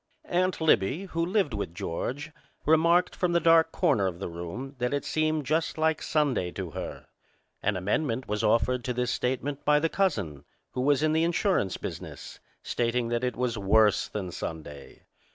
Aunt Libbie, who lived with George, remarked from the dark corner of the room that it seemed just like Sunday to her. An amendment was offered to this statement by the cousin, who was in the insurance business, stating that it was worse than Sunday.